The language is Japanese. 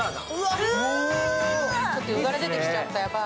ちょっとよだれ出てきちゃった、ヤバい。